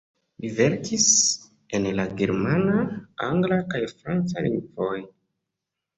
Li verkis en la germana, angla kaj franca lingvoj.